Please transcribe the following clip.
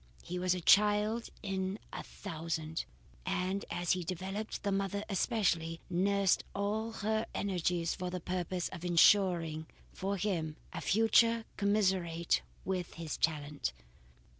He was a child in a thousand, and as he developed, the mother especially, nursed all her energies for the purpose of ensuring for him a future commensurate with his talents.